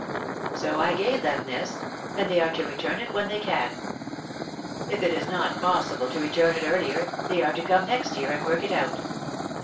So I gave them this, and they are to return it when they can. If it is not possible to return it earlier, they are to come next year and work it out.